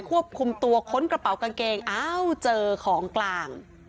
ควบคุมตัวค้นกระเป๋ากางเกงอ้าวเจอของกลาง